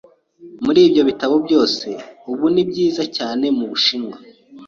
Muri ibyo bitabo byose, ubu ni byiza cyane ku Bushinwa.